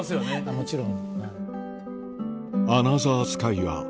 もちろん。